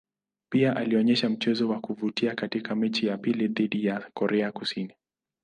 Pia alionyesha mchezo wa kuvutia katika mechi ya pili dhidi ya Korea Kusini.